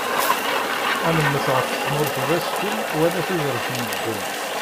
Ad nemmet ɣef tmurt d asfel, wal tudert n ddel.